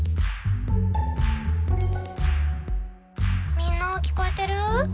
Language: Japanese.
「みんな聞こえてる？